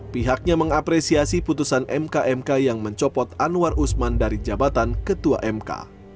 pihaknya mengapresiasi putusan mk mk yang mencopot anwar usman dari jabatan ketua mk